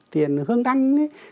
tiền hương đăng